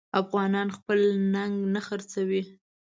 افغان خپل ننګ نه خرڅوي.